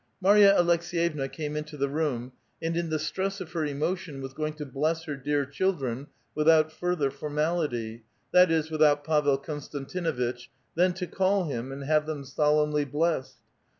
Marya Aleks^yevna came into the room, and in the stress of her emotion was going to bless her dear children without further fonnality, — that is, without Pavel Konstantinuitch, — then to call him, and have them solemnly blessed.